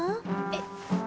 えっ。